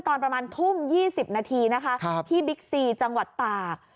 ตอนประมาณทุ่ม๒๐นาทีนะคะที่บิ๊กซีจังหวัดตาก